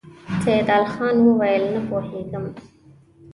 سيدال خان وويل: نه پوهېږم!